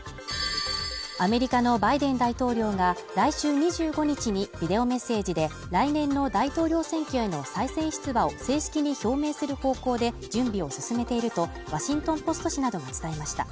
アメリカのバイデン大統領が来週２５日にビデオメッセージで、来年の大統領選挙への再選出馬を正式に表明する方向で準備を進めていると「ワシントン・ポスト」紙などが伝えました。